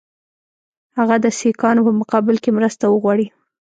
هغه د سیکهانو په مقابل کې مرسته وغواړي.